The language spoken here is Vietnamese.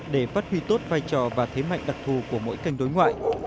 để phát huy tốt vai trò và thế mạnh đặc thù của mỗi kênh đối ngoại